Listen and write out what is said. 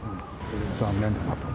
残念だなと。